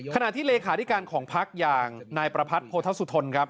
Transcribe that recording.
ขณะที่เลขาดิการของพักฯอย่างนายประพัทธ์โภทศุธนครับ